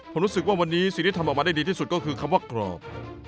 ผมรู้สึกว่าวันนี้สิ่งที่ทำออกมาได้ดีที่สุดก็คือคำว่ากรอบ